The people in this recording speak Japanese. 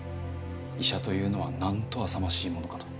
医者というのはなんとあさましいものかと。